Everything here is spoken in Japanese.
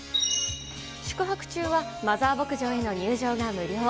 宿泊中はマザー牧場への入場が無料。